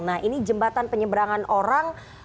nah ini jembatan penyeberangan orang